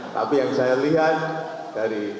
tapi yang saya lihat dari